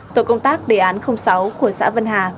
tổ công tác đề án sáu của xã vân hà